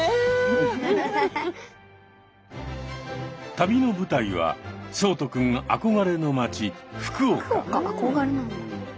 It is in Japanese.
旅の舞台は聡人くん憧れの街福岡。